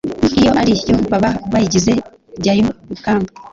iyo ari yo baba bayigize jyayorukamba